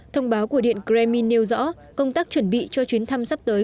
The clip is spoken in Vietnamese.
thông báo của điện kremin nêu rõ công tác chuẩn bị cho chuyến thăm sắp tới